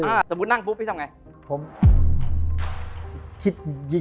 สมมุตินั่งปุ๊บพี่ทำยังไง